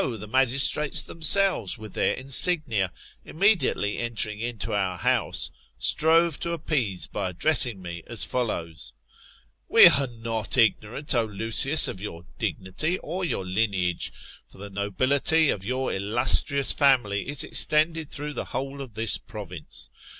the magistrates themselves, with their insignia, immediately entering into our house, strove to appease by addressing me as follows : We are not ignorant, O Lucius, of your digfiity, or your lineage ; for the nobility of your illustrioirs family is extended through the whole of this province.